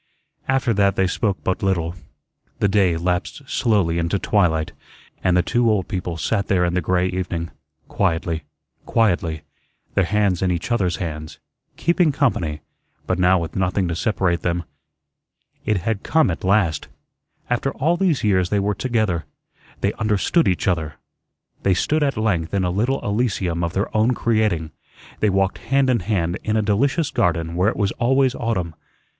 After that they spoke but little. The day lapsed slowly into twilight, and the two old people sat there in the gray evening, quietly, quietly, their hands in each other's hands, "keeping company," but now with nothing to separate them. It had come at last. After all these years they were together; they understood each other. They stood at length in a little Elysium of their own creating. They walked hand in hand in a delicious garden where it was always autumn.